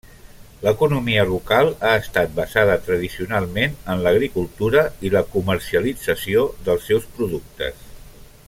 L'economia local ha estat basada tradicionalment en l'agricultura i la comercialització dels seus productes.